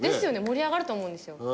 盛り上がると思うんですよ。